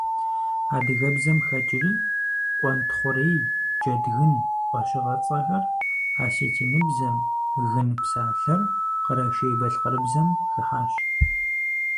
Адыгэбзэм хэкӀри «къуэнтхъурей», «джэдгын» фӀэщыгъэцӀэхэр асэтиныбзэм, «гын» псалъэр къэрэшей-балъкъэрыбзэм хыхьащ.